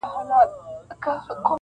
هر یو مي د زړه په خزانه کي دی منلی -